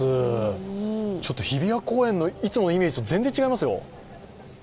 日比谷公園のいつものイメージと全然違いますよ。